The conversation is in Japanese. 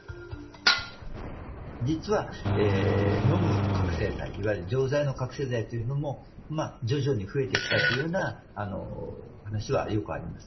実は飲む覚醒剤、いわゆる錠剤の覚醒剤というのも、徐々に増えてきたというような話はよくあります。